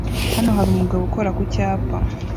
Hano hari umugabo ukora ku cyapa